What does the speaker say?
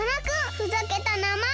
ふざけたなまえ！